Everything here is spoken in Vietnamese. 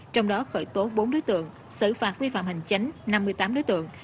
trong đó khởi tố bốn đối tượng xử phạt quy phạm hành chánh năm mươi tám đối tượng